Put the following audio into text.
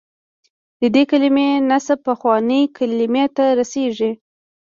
د دې کلمې نسب پخوانۍ کلمې ته رسېږي.